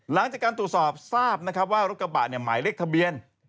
หลังจากการตรวจสอบทราบนะครับว่ารถกระบะหมายเลขทะเบียน